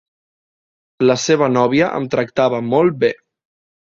La seva nòvia em tractava molt bé.